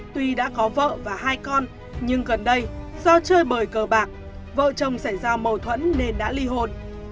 tuy đã có vợ và hai con nhưng gần đây do chơi bời cờ bạc vợ chồng xảy ra mâu thuẫn nên đã ly hôn